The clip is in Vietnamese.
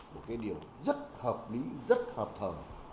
một cái điều rất hợp lý rất hợp thở